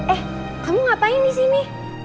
eh kamu ngapain di sini